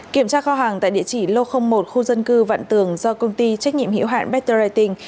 kiểm tra kho hàng tại địa chỉ lô một khu dân cư vạn tường do công ty trách nhiệm hiệu hạn betterreting